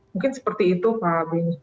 mungkin seperti itu pak